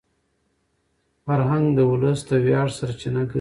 فرهنګ د ولس د ویاړ سرچینه ګرځي.